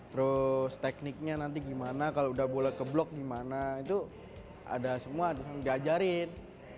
terus tekniknya nanti gimana kalau udah bola keblok gimana itu ada semua diajarin